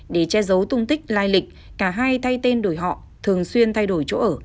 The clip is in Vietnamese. để che giấu tung tích lai lịch cả hai thay tên đổi họ thường xuyên thay đổi chỗ ở